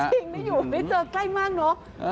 จริงไม่อยู่ได้เจอใกล้มากเนอะ